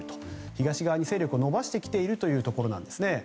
東側に勢力を伸ばしてきているというところなんですね。